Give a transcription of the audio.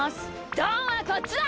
どんはこっちだ！